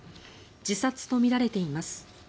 自殺とみられています。